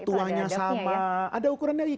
tuanya sama ada ukuran lagi